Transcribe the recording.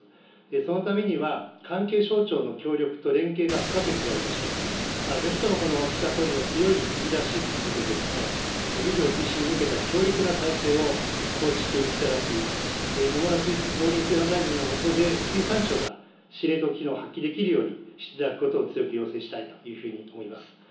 そのためには、関係省庁の協力と連携が不可欠でありまして、ぜひともこの岸田総理の強いリーダーシップで、海業推進に向けた強力な体制を構築いただき、野村農林水産大臣の下で、水産庁が司令塔機能を発揮できるようにしていただくことを強く要請したいというふうに思います。